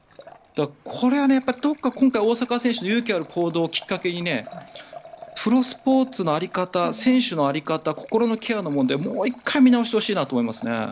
これはどこか大坂選手の勇気ある行動をきっかけにプロスポーツの在り方選手の在り方心のケアの問題をもう１回見直してほしいなと思いますね。